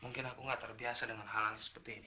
mungkin aku nggak terbiasa dengan hal hal seperti ini